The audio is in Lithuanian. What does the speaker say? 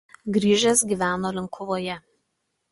Grįžęs gyveno Linkuvoje.